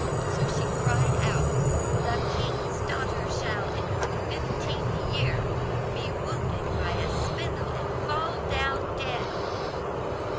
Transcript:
So she cried out, 'The king's daughter shall, in her fifteenth year, be wounded by a spindle, and fall down dead.